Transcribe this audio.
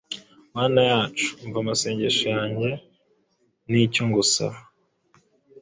Mana yacu, umva amasengesho yanjye n’icyo ngusaba.